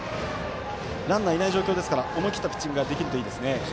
ランナーいない状況ですから思い切ったピッチングができるといいですね。